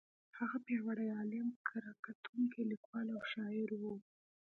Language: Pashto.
هغه پیاوړی عالم، کره کتونکی، لیکوال او شاعر و.